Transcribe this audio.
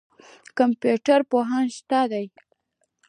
کمپیوټر پوهان شته دي.